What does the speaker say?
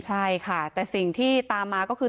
ใช่ค่ะแต่สิ่งที่ตามมาก็คือ